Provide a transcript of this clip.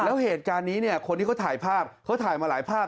แล้วเหตุการณ์นี้เนี่ยคนที่เขาถ่ายภาพเขาถ่ายมาหลายภาพ